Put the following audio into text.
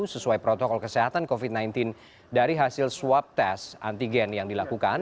sesuai protokol kesehatan covid sembilan belas dari hasil swab tes antigen yang dilakukan